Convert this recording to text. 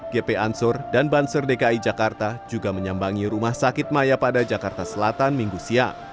gp ansur dan banser dki jakarta juga menyambangi rumah sakit maya pada jakarta selatan minggu siang